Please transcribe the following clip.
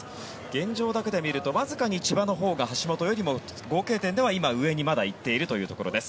現状だけで見るとわずかに千葉のほうが橋本よりも合計点では上に行っているというところです。